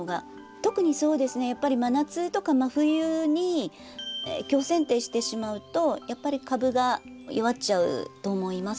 特にやっぱり真夏とか真冬に強せん定してしまうとやっぱり株が弱っちゃうと思います。